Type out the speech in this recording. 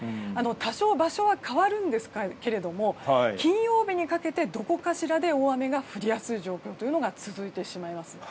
多少場所は変わるんですが金曜日にかけてどこかしらで大雨が降りやすい状況が続いてしまいます。